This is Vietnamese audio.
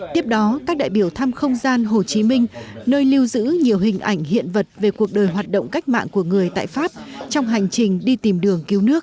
tiếp đó các đại biểu thăm không gian hồ chí minh nơi lưu giữ nhiều hình ảnh hiện vật về cuộc đời hoạt động cách mạng của người tại pháp trong hành trình đi tìm đường cứu nước